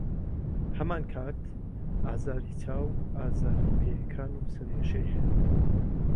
هەمانکات ئازاری چاو و ئازاری پێیەکان و سەرئێشەی هەیە.